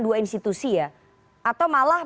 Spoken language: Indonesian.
dua institusi ya atau malah